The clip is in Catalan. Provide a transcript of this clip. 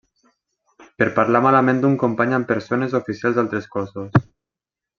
Per parlar malament d'un company amb persones o oficials d'altres cossos.